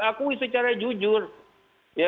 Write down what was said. akui secara jujur ya